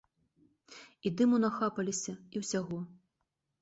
І дыму нахапаліся, і ўсяго.